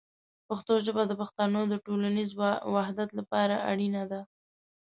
پښتو ژبه د پښتنو د ټولنیز وحدت لپاره اړینه ده.